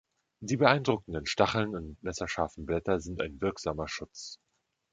Die beeindruckenden Stacheln und messerscharfen Blätter sind ein wirksamer Schutz.